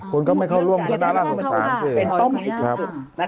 คุณก็ต้องให้เข้าร่วมสิ